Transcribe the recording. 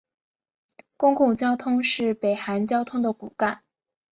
公共交通是北韩交通的骨干。